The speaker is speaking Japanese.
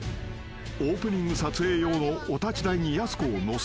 ［オープニング撮影用のお立ち台にやす子を乗せる］